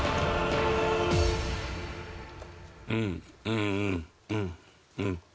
うんうんうんうんうんうん。